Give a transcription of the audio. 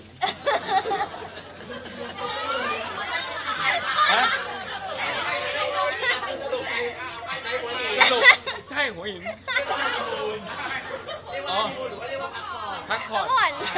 สนุกใช่หัวหิน